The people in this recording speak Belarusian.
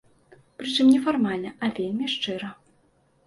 Прычым не фармальна, а вельмі шчыра.